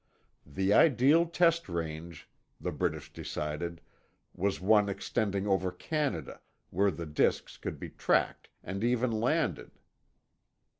The ideal test range, the British decided, was one extending over Canada, where the disks could be tracked and even landed.